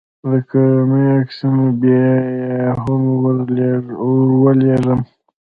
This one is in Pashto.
د کورونو عکسونه به يې هم ورولېږم.